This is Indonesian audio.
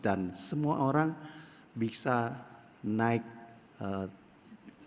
dan semua orang bisa naik keretaan pisau